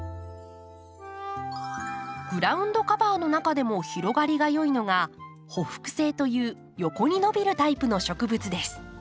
グラウンドカバーの中でも広がりが良いのが「ほふく性」という横に伸びるタイプの植物です。